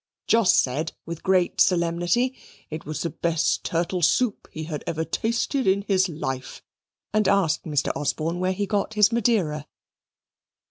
Jos said, with great solemnity, it was the best turtle soup he had ever tasted in his life, and asked Mr. Osborne where he got his Madeira.